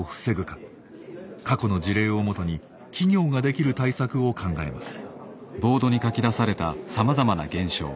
過去の事例を基に企業ができる対策を考えます。